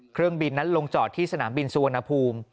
เครื่องบินนั้นลงจอดที่สนามบินสุวรรณภูมิ